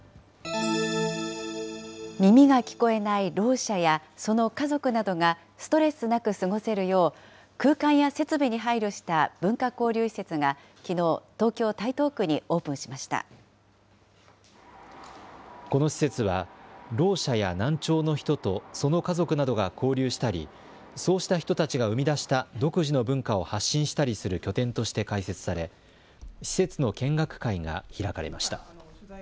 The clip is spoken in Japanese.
耳が聞こえないろう者やその家族などがストレスなく過ごせるよう、空間や設備に配慮した文化交流施設がきのう、東京・台東区この施設は、ろう者や難聴の人とその家族などが交流したり、そうした人たちが生み出した独自の文化を発信したりする拠点として開設され、施設の見学会が開かれました。